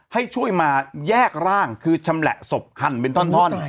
ให้ช่วยมาแยกร่างคือชำแหละศพหั่นเป็นท่อน